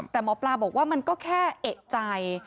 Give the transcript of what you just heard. แต่หมอปลาบอกว่ามันก็แค่เอกใจ